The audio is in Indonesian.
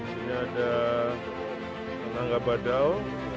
di sini ada tenaga badal